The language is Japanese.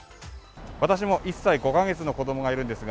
私も１歳５カ月の子供がいるんですが、